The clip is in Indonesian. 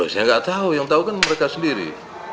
saya nggak tahu yang tahu kan mereka sendiri